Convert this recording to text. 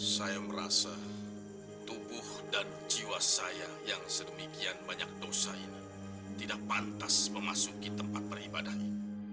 saya merasa tubuh dan jiwa saya yang sedemikian banyak dosa ini tidak pantas memasuki tempat beribadah ini